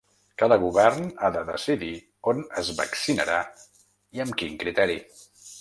Cada govern ha de decidir on es vaccinarà i amb quin criteri.